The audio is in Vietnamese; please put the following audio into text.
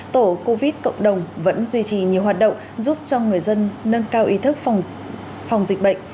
tổ covid cộng đồng vẫn duy trì nhiều hoạt động giúp cho người dân nâng cao ý thức phòng dịch bệnh